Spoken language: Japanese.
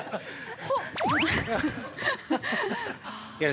ほっ！！